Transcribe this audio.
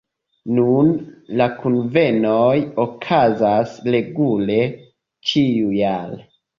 Nun la kunvenoj okazas regule ĉiujare.